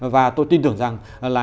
và tôi tin tưởng rằng